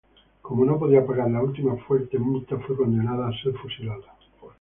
Como no podía pagar la última fuerte multa, fue condenada a ser fusilada.